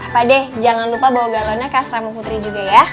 pade jangan lupa bawa galonnya ke asramu putri juga ya